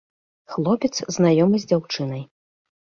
Хлопец знаёмы з дзяўчынай.